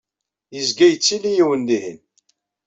Yezga yettili yiwen dihin.